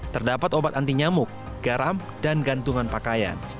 terdapat obat anti nyamuk garam dan gantungan pakaian